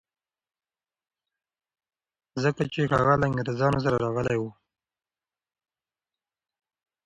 ځکه چي هغه له انګریزانو سره راغلی و.